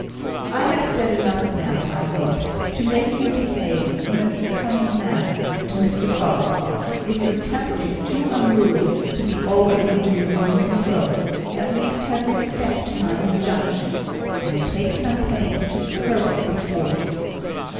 "I have said enough now, I hope, to make you behave in a becoming manner to Mr Farquhar; if your temper is too unruly to be always under your own control, at least have respect to my injunctions, and take some pains to curb it before him."